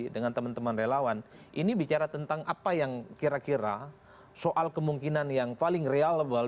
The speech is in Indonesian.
dengan teman teman relawan ini bicara tentang apa yang kira kira soal kemungkinan yang paling realable